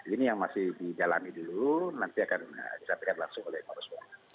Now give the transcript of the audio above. ini yang masih didalami dulu nanti akan disampaikan langsung oleh mbak swovi